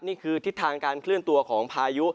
นี่คือทิศทางการเคลื่อนตัวของพายุ